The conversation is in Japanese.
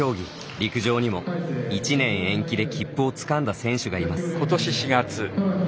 陸上にも１年延期で切符をつかんだ選手がいます。